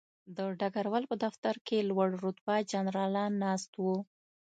د ډګروال په دفتر کې لوړ رتبه جنرالان ناست وو